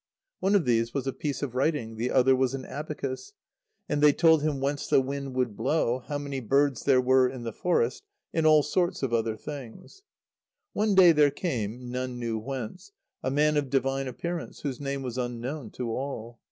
One of these was a piece of writing, the other was an abacus; and they told him whence the wind would blow, how many birds there were in the forest, and all sorts of other things. One day there came, none knew whence, a man of divine appearance, whose name was unknown to all.